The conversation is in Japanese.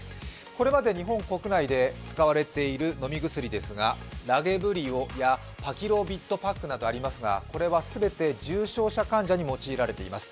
これまで日本国内で使われている飲み薬ですが、ラゲブリオやパキロビッドパックなどがありますがこれは全て重症者患者に用いられています。